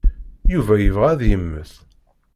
Yuba yebɣa ad yemmet.